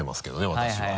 私は。